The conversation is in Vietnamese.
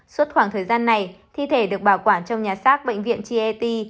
suốt khoảng thời gian này thi thể được bảo quản trong nhà sars bệnh viện chieti